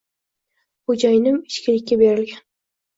Xo`jayinim ichkilikka berilgan